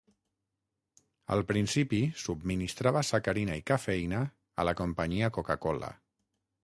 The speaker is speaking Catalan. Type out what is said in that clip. Al principi subministrava sacarina i cafeïna a la companyia Coca-Cola.